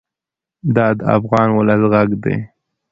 دا د افغان ولس غږ دی.